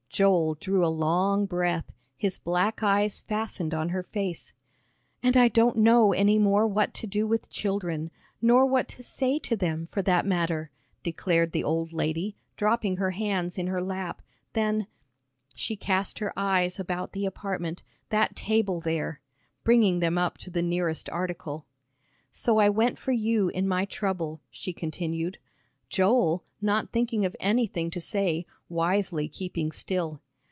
Joel drew a long breath, his black eyes fastened on her face. "And I don't know any more what to do with children, nor what to say to them, for that matter," declared the old lady, dropping her hands in her lap, "than " she cast her eyes about the apartment, "that table there," bringing them up to the nearest article. "So I went for you in my trouble," she continued Joel, not thinking of anything to say, wisely keeping still.